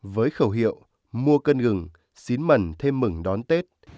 với khẩu hiệu mua cân gừng xín mần thêm mừng đón tết